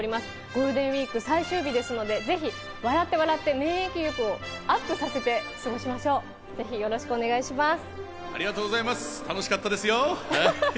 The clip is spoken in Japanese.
ゴールデンウイーク最終日ですので、ぜひ笑って笑って免疫力をアップさせて過ごしましょう。ぜひよろしくお願いします。